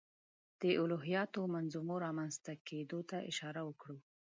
د الهیاتي منظومو رامنځته کېدو ته اشاره وکړو.